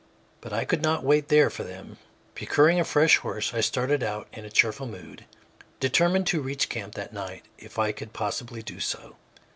But I could not wait there for them. Procuring a fresh horse, I started out in a cheerful mood, determined to reach camp that night if I could possibly do so.